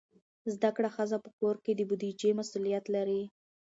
زده کړه ښځه په کور کې د بودیجې مسئولیت لري.